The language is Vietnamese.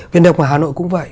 viện đồng ở hà nội cũng vậy